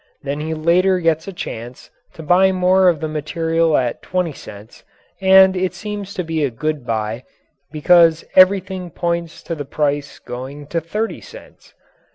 Then he later gets a chance to buy more of the material at twenty cents, and it seems to be a good buy because everything points to the price going to thirty cents.